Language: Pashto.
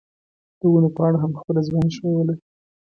د ونو پاڼو هم خپله ځواني ښووله.